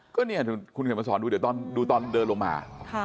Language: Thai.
ก็นี่คุณเข้ามาสอนดูตอนเดินลงมา